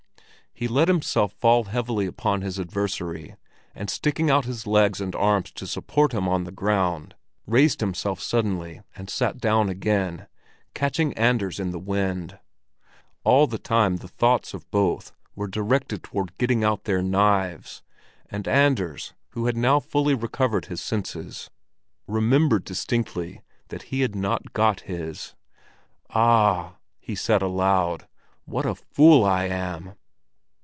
He let himself fall heavily upon his adversary, and sticking out his legs and arms to support him on the ground, raised himself suddenly and sat down again, catching Anders in the wind. All the time the thoughts of both were directed toward getting out their knives, and Anders, who had now fully recovered his senses, remembered distinctly that he had not got his. "Ah!" he said aloud. "What a fool I am!"